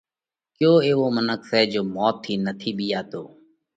ڪيو ايوو منک سئہ جيو موت ٿِي نٿِي ٻِيئاتو؟